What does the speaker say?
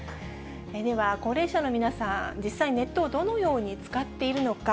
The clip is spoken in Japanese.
では、高齢者の皆さん、実際、ネットをどのように使っているのか。